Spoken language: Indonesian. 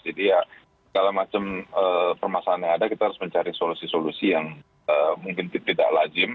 jadi ya segala macam permasalahan yang ada kita harus mencari solusi solusi yang mungkin tidak lajim